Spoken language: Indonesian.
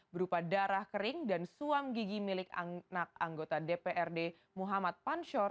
berupa darah kering dan suam gigi milik anak anggota dprd muhammad panshor